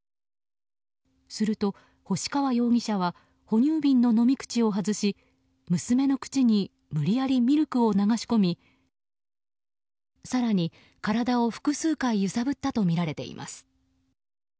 すると星川容疑者は哺乳瓶の飲み口を外し娘の口に無理やりミルクを流し込み更に、体を複数回揺さぶったとみられています。